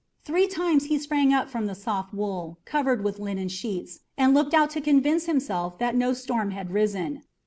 Three times he sprang up from the soft wool, covered with linen sheets, and looked out to convince himself that no storm had risen.